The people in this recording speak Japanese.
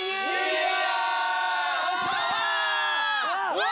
うわ！